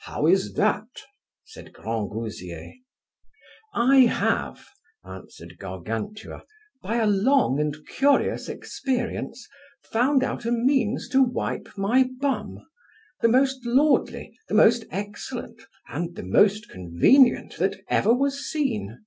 How is that? said Grangousier. I have, answered Gargantua, by a long and curious experience, found out a means to wipe my bum, the most lordly, the most excellent, and the most convenient that ever was seen.